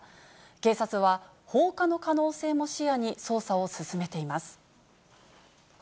警察は、放火の可能性も視野に捜査を進めています。